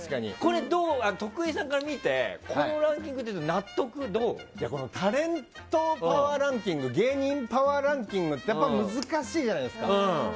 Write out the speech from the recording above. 徳井さんから見てこのランキングってタレントパワーランキング芸人パワーランキングって難しいじゃないですか。